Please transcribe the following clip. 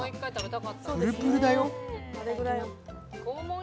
プルプルだよ。